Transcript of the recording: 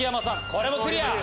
これもクリア！